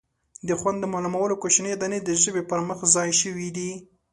د خوند د معلومولو کوچنۍ دانې د ژبې پر مخ ځای شوي دي.